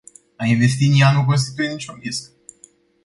A investi în ea nu constituie niciun risc.